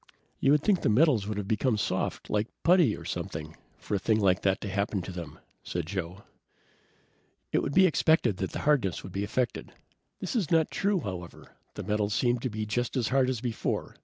"You would think the metals would have become soft, like putty, or something, for a thing like that to happen to them," said Joe. "It would be expected that the hardness would be affected. This is not true, however. The metals seem just as hard as before.